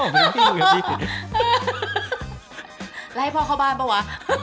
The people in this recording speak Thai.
แล้วให้พ่อเข้าบ้านเปล่าวะ